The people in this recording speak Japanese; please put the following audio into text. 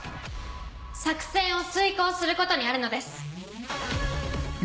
作戦を遂行することにあるのです！